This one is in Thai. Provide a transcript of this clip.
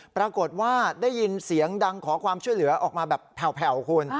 ปรากฏว่าได้ยินเสียงดังขอความช่วยเหลือออกมาแบบแผ่วคุณ